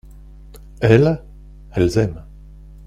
Elles, elles aiment.